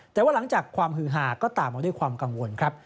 แต่ว่าหลังจากความฮือหาก็ตามมาด้วยความกังวลครับ